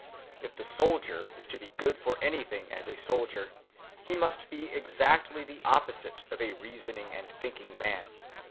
If the soldier is to be good for anything as a soldier, he must be exactly the opposite of a reasoning and thinking man.